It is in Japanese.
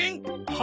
は？